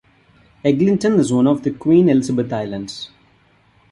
Eglinton is one of the Queen Elizabeth Islands.